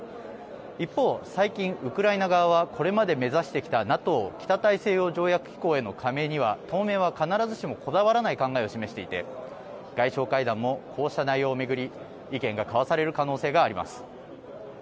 一方、最近、ウクライナ側はこれまで目指してきたＮＡＴＯ・北大西洋条約機構への加盟には当面は必ずしもこだわらない考えを示していて、外相会談もこうした内容を巡り、意見が交わされる可能性があります。